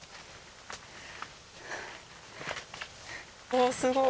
おすごい！